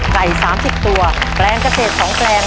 ไก่๓๐ตัวแปลงเกษตร๒แปลง